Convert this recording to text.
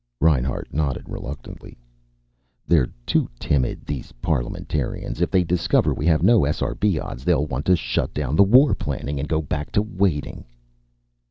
Reinhart nodded reluctantly. "They're too timid, these parliamentarians. If they discover we have no SRB odds they'll want to shut down the war planning and go back to waiting."